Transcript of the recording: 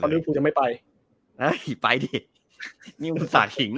วันนี้ลิวฟูยังไม่ไปไปดินี่มันสาหิง